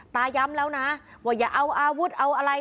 ตาย้ำแล้วนะว่าอย่าเอาอาวุธเอาอะไร